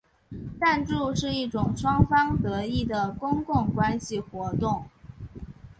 赞助是一种双方得益的公共关系活动。